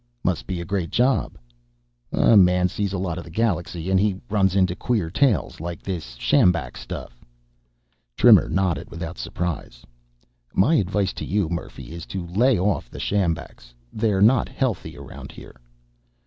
"Must be a great job." "A man sees a lot of the galaxy, and he runs into queer tales, like this sjambak stuff." Trimmer nodded without surprise. "My advice to you, Murphy, is lay off the sjambaks. They're not healthy around here."